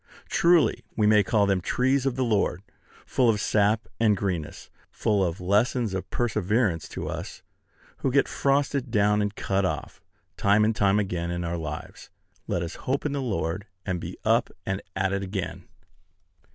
Truly we may call them trees of the Lord, full of sap and greenness; full of lessons of perseverance to us who get frosted down and cut off, time and time again, in our lives. Let us hope in the Lord, and be up and at it again.